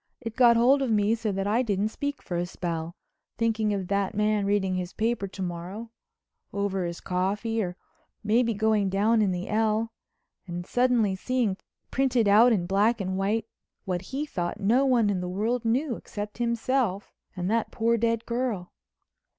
It got hold of me so that I didn't speak for a spell, thinking of that man reading his paper to morrow—over his coffee or maybe going down in the L—and suddenly seeing printed out in black and white what he thought no one in the world knew except himself and that poor dead girl.